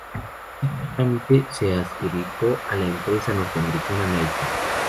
Dicho trámite se lo adjudicó la empresa norteamericana Nike.